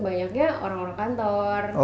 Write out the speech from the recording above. banyaknya orang orang kantor